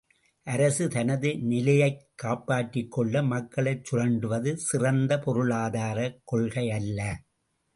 அரசு தனது நிலையைக் காப்பாற்றிக் கொள்ள மக்களைச் சுரண்டுவது சிறந்த பொருளாதாரக் கொள்கையல்ல!